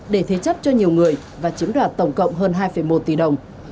để thế chấp cho nhiều người và chiếm đoạt tổng cộng hơn hai một tỷ đồng